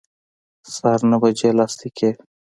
سهار نهه بجې لس دقیقې وې.